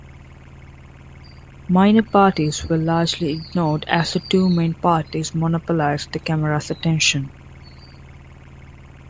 Minor parties were largely ignored as the two main parties monopolized the camera's attention.